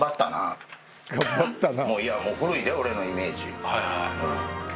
いやもう古いで俺のイメージ。